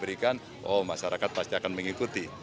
berikan oh masyarakat pasti akan mengikuti